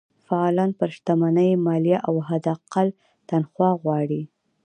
فعالان پر شتمنۍ مالیه او حداقل تنخوا غواړي.